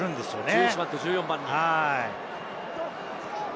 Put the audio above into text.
１１番と１４番に。